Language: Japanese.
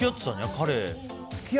彼。